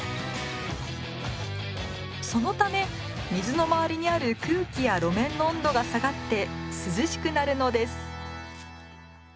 そのため水のまわりにある空気や路面の温度が下がって涼しくなるのです